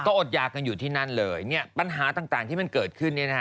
อดยากันอยู่ที่นั่นเลยเนี่ยปัญหาต่างที่มันเกิดขึ้นเนี่ยนะฮะ